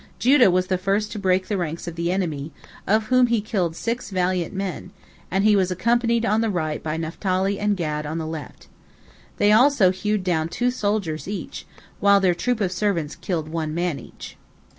Judah was the first to break the ranks of the enemy, of whom he killed six valiant men, and he was accompanied on the right by Naphtali and by Gad on the left. They also hewed down two soldiers each, while their troop of servants killed one man each.